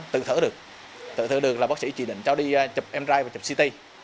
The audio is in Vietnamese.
tự thở được là bác sĩ chỉ định cho đi chụp em trai và chụp ct